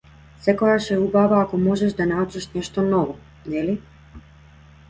Секогаш е убаво ако можеш да научиш нешто ново, нели?